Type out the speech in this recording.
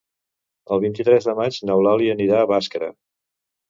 El vint-i-tres de maig n'Eulàlia anirà a Bàscara.